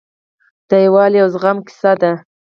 د یووالي او زغم کیسه ده.